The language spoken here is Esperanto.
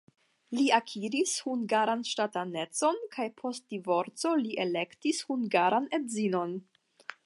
Li akiris hungaran ŝtatanecon kaj post divorco li elektis hungaran edzinon.